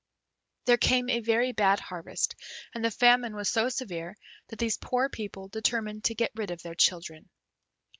There came a very bad harvest, and the famine was so severe that these poor people determined to get rid of their children.